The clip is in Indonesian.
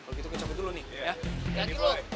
kalau gitu kecapin dulu nih ya